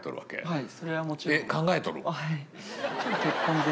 はい。